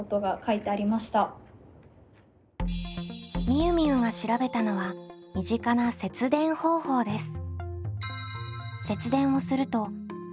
みゆみゆが調べたのは身近な節電方法です。